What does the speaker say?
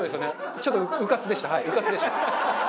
ちょっとうかつでしたうかつでした。